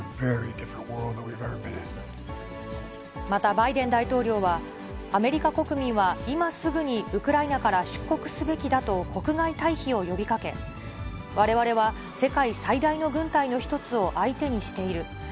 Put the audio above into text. またバイデン大統領は、アメリカ国民は、今すぐにウクライナから出国すべきだと国外退避を呼びかけ、われわれは世界最大の軍隊の一つを相手にしている。